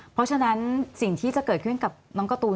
เพราะฉะนั้นสิ่งที่จะเกิดขึ้นกับน้องการ์ตูน